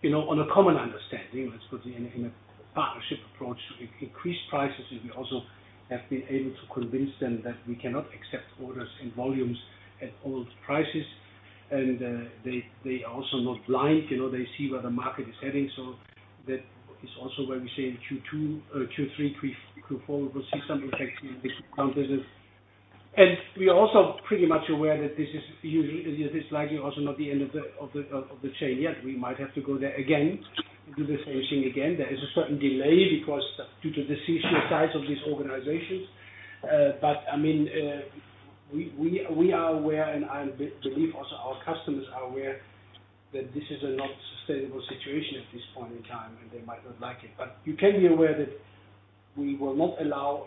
Speaker 4: you know, on a common understanding, let's put it, in a partnership approach, increase prices. We also have been able to convince them that we cannot accept orders and volumes at old prices. They are also not blind, you know. They see where the market is heading, so that is also why we say in Q2 or Q3, Q4, we'll see some protection in this process. We are also pretty much aware that this is usually this is likely also not the end of the chain yet. We might have to go there again and do the same thing again. There is a certain delay because due to the seasonal size of these organizations. I mean, we are aware, and I believe also our customers are aware that this is not a sustainable situation at this point in time, and they might not like it. You can be aware that we will not allow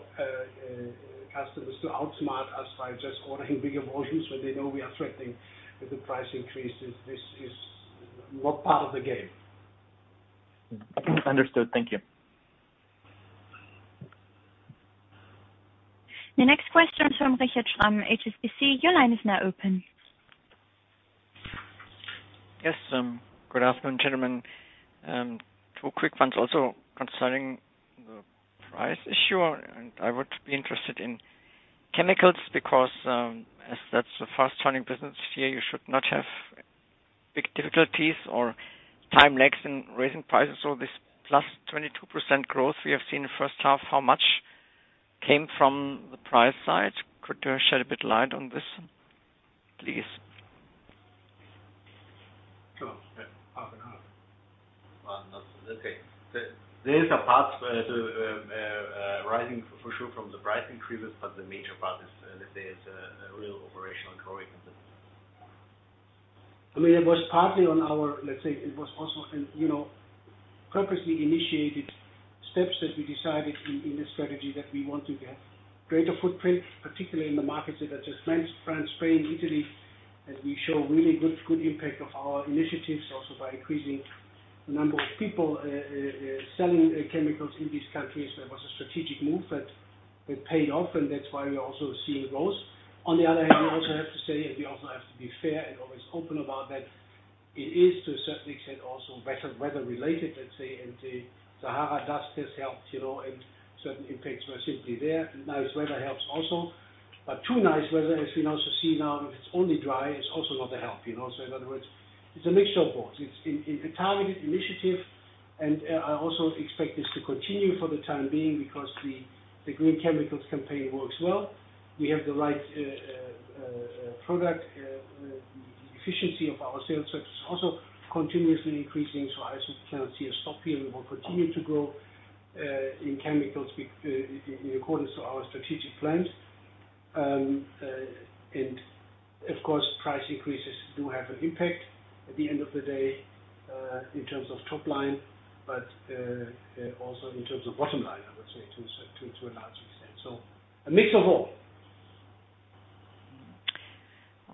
Speaker 4: customers to outsmart us by just ordering bigger volumes when they know we are threatening with the price increases. This is not part of the game.
Speaker 3: Understood. Thank you.
Speaker 1: The next question is from Richard Blackburn, HSBC. Your line is now open.
Speaker 6: Yes, good afternoon, gentlemen. Two quick ones also concerning the price issue. I would be interested in chemicals because, as that's a fast-turning business here, you should not have big difficulties or time lags in raising prices. This +22% growth we have seen in the first half, how much came from the price side? Could you shed a bit light on this, please?
Speaker 4: Sure. Yeah. Half and half.
Speaker 2: Okay. There is a part arising for sure from the price increase, but the major part is that there is a real operational growth in this.
Speaker 4: I mean, let's say it was also, you know, purposely initiated steps that we decided in the strategy that we want to get greater footprint, particularly in the markets that are just France, Spain, Italy, as we show really good impact of our initiatives also by increasing the number of people selling chemicals in these countries. That was a strategic move that paid off, and that's why we're also seeing growth. On the other hand, we also have to say, and we also have to be fair and always open about that, it is to a certain extent, also better weather related, let's say. The Saharan dust has helped, you know, and certain impacts were simply there. Nice weather helps also. Too nice weather, as we also see now, if it's only dry, it's also not a help, you know. In other words, it's a mixture of both. It's a targeted initiative, and I also expect this to continue for the time being because the green chemicals campaign works well. We have the right product. Efficiency of our sales force is also continuously increasing, so I just cannot see a stop here. We will continue to grow in accordance to our strategic plans. And of course, price increases do have an impact at the end of the day in terms of top line, but also in terms of bottom line, I would say to a large extent. A mix of all.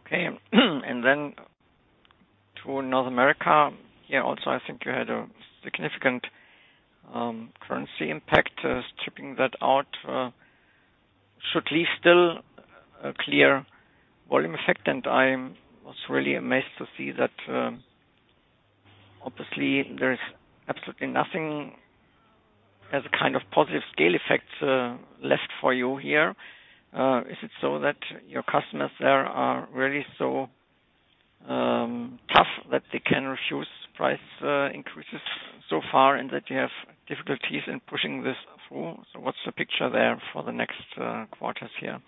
Speaker 6: Okay. Then to North America. Here also, I think you had a significant currency impact. Stripping that out should leave still a clear volume effect. I was really amazed to see that, obviously there is absolutely nothing as a kind of positive scale effects left for you here. Is it so that your customers there are really so tough that they can refuse price increases so far, and that you have difficulties in pushing this through? What's the picture there for the next quarters here?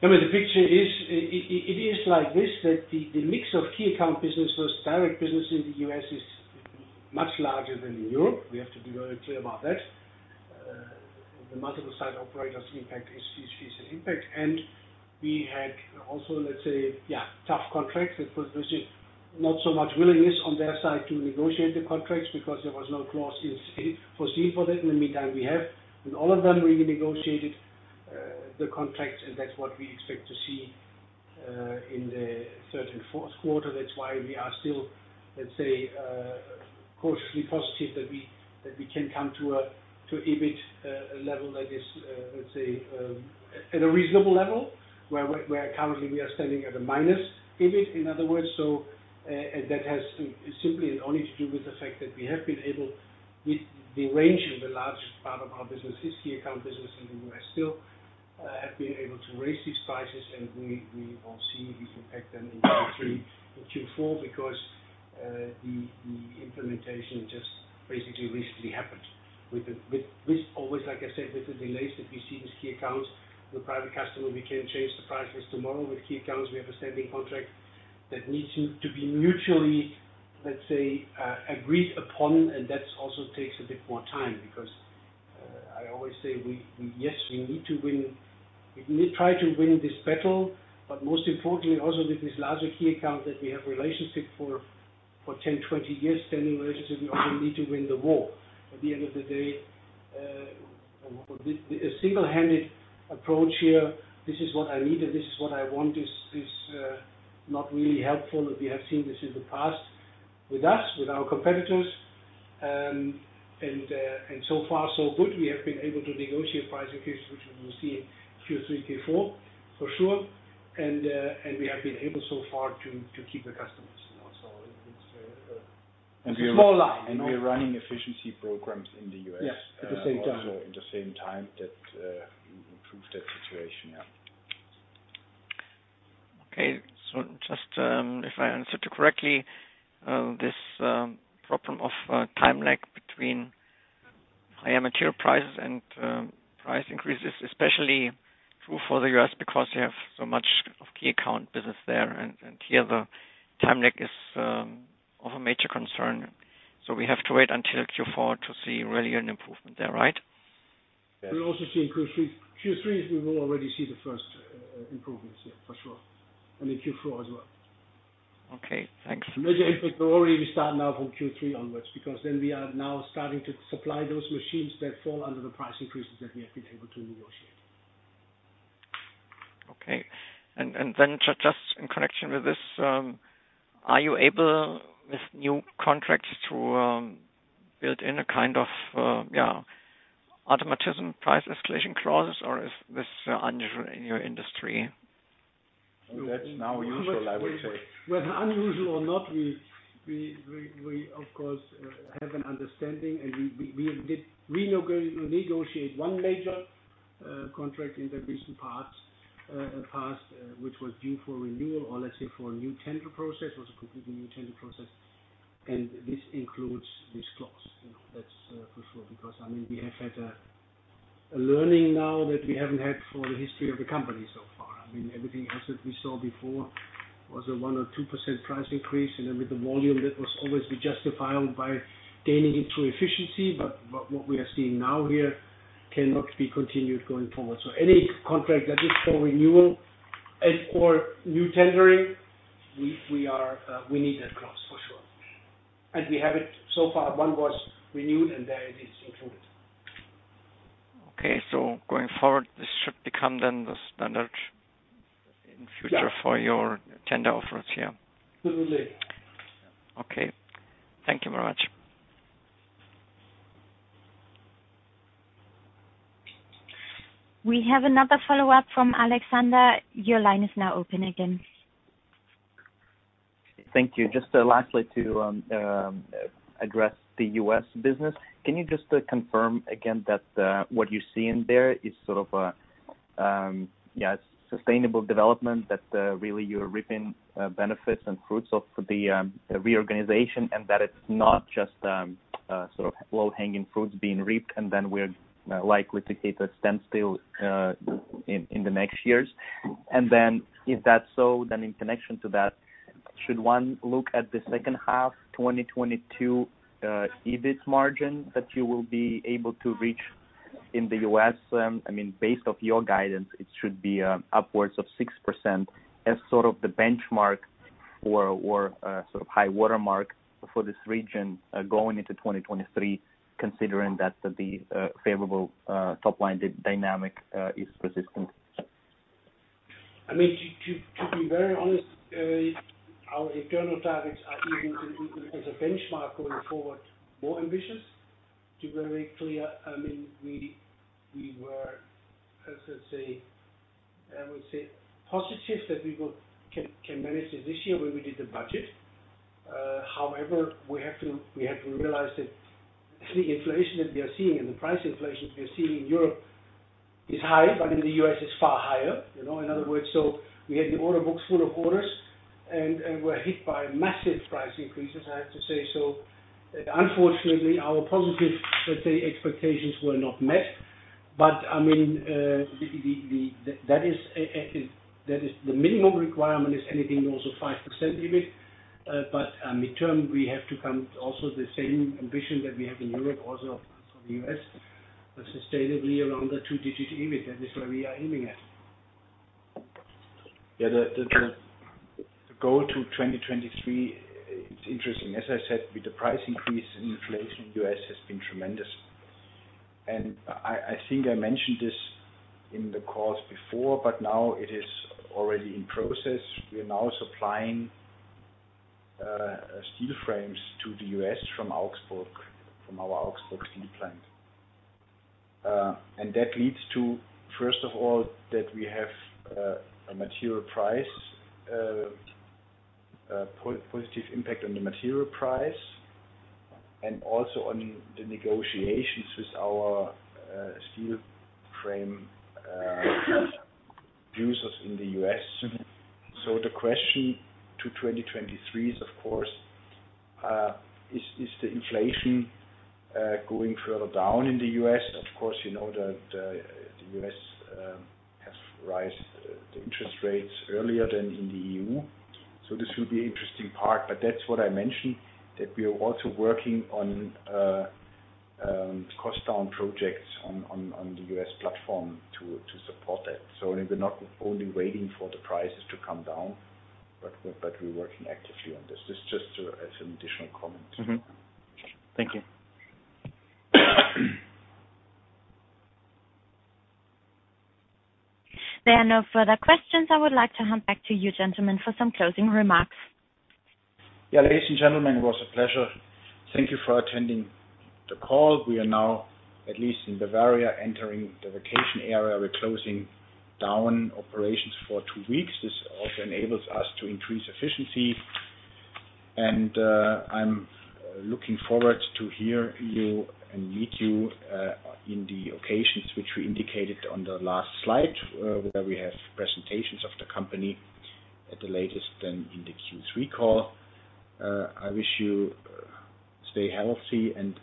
Speaker 4: I mean, the picture is, it is like this, that the mix of key account business versus direct business in the U.S. is much larger than in Europe. We have to be very clear about that. The multiple site operators' impact is an impact. We had also, let's say, yeah, tough contracts. It was basically not so much willingness on their side to negotiate the contracts because there was no clause in foreseen for that. In the meantime, we have, with all of them, renegotiated the contracts, and that's what we expect to see in the Q3 and Q4. That's why we are still, let's say, cautiously positive that we can come to a EBIT level that is, let's say, at a reasonable level where currently we are standing at a minus EBIT, in other words. That has simply and only to do with the fact that we have been able, with the range of the large part of our business, this key account business in the U.S. still, to raise these prices, and we will see this impact then in Q3 and Q4, because the implementation just basically recently happened. With always, like I said, with the delays that we see with key accounts. With private customer, we can change the prices tomorrow. With key accounts, we have a standing contract that needs to be mutually, let's say, agreed upon. That also takes a bit more time because I always say we need to win. We need to try to win this battle, but most importantly also with this larger key account that we have relationship for 10, 20 years, standing relationship, we also need to win the war. At the end of the day, a single-handed approach here, this is what I need and this is what I want, is not really helpful. We have seen this in the past with us, with our competitors. So far so good. We have been able to negotiate price increases, which we will see in Q3, Q4 for sure. We have been able so far to keep the customers, you know, so it's a small line, you know.
Speaker 2: We are running efficiency programs in the U.S.
Speaker 4: Yes, at the same time.
Speaker 2: Also at the same time to improve that situation, yeah.
Speaker 6: Okay. Just if I understood you correctly, this problem of time lag between higher material prices and price increases, especially true for the U.S. because you have so much of key account business there, and here the time lag is of a major concern. We have to wait until Q4 to see really an improvement there, right?
Speaker 4: We'll also see in Q3. Q3, we will already see the first, improvements, yeah, for sure. In Q4 as well.
Speaker 6: Okay, thanks.
Speaker 4: Major impact will already start now from Q3 onwards, because then we are now starting to supply those machines that fall under the price increases that we have been able to negotiate.
Speaker 6: Okay. Just in connection with this, are you able, with new contracts, to build in a kind of, yeah, automatic price escalation clause, or is this unusual in your industry?
Speaker 2: That's now usual, I would say.
Speaker 4: Whether unusual or not, we of course have an understanding, and we did renegotiate one major contract in the recent past, which was due for renewal or let's say for a new tender process. It was a completely new tender process, and this includes this clause. You know, that's for sure, because I mean, we have had a learning now that we haven't had for the history of the company so far. I mean, everything else that we saw before was a 1 or 2% price increase. Then with the volume, that was always justifiable by gaining it through efficiency. But what we are seeing now here cannot be continued going forward. Any contract that is for renewal or new tendering, we need that clause for sure. We have it so far. One was renewed, and there it is included.
Speaker 6: Okay. Going forward, this should become then the standard in future.
Speaker 4: Yeah.
Speaker 6: for your tender offers here.
Speaker 4: Absolutely.
Speaker 6: Okay. Thank you very much.
Speaker 1: We have another follow-up from Alexander Galitsin. Your line is now open again.
Speaker 3: Thank you. Just lastly to address the U.S. business. Can you just confirm again that what you're seeing there is sort of yeah sustainable development, that really you're reaping benefits and fruits of the reorganization, and that it's not just sort of low-hanging fruits being reaped, and then we're likely to hit a standstill in the next years? If that's so, then in connection to that. Should one look at the second half, 2022, EBIT margin that you will be able to reach in the US, I mean, based off your guidance, it should be upwards of 6% as sort of the benchmark or sort of high watermark for this region, going into 2023, considering that the favorable top-line dynamic is persistent.
Speaker 4: I mean, to be very honest, our internal targets are even as a benchmark going forward, more ambitious. To be very honest, I mean, we were, how to say, I would say positive that we can manage it this year when we did the budget. However, we have to realize that the inflation that we are seeing and the price inflation we are seeing in Europe is high, but in the U.S. it's far higher. You know, in other words, so we had the order books full of orders and we're hit by massive price increases, I have to say. Unfortunately, our positive, let's say, expectations were not met. I mean, that is the minimum requirement is anything also 5% EBIT. Midterm we have to come also the same ambition that we have in Europe, also for the US, sustainably around the two-digit EBIT. That is where we are aiming at.
Speaker 2: Yeah. The goal to 2023, it's interesting. As I said, with the price increase and inflation in the US has been tremendous. I think I mentioned this in the calls before, but now it is already in process. We are now supplying steel frames to the US from Augsburg, from our Augsburg steel plant. That leads to, first of all, that we have a material price positive impact on the material price and also on the negotiations with our steel frame users in the US. The question to 2023 is of course, is the inflation going further down in the US? Of course, you know that the US has raised the interest rates earlier than in the EU. This will be interesting part. That's what I mentioned, that we are also working on cost down projects on the U.S. platform to support that. We're not only waiting for the prices to come down, but we're working actively on this. This just as an additional comment.
Speaker 3: Mm-hmm. Thank you.
Speaker 1: There are no further questions. I would like to hand back to you, gentlemen, for some closing remarks.
Speaker 2: Yeah. Ladies and gentlemen, it was a pleasure. Thank you for attending the call. We are now, at least in Bavaria, entering the vacation area. We're closing down operations for two weeks. This also enables us to increase efficiency. I'm looking forward to hear you and meet you, in the occasions which we indicated on the last slide, where we have presentations of the company at the latest then in the Q3 call. I wish you stay healthy and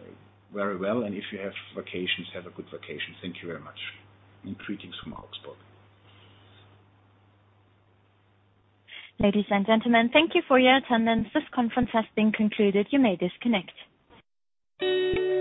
Speaker 2: very well, and if you have vacations, have a good vacation. Thank you very much, and greetings from Augsburg.
Speaker 1: Ladies and gentlemen, thank you for your attendance. This conference has been concluded. You may disconnect.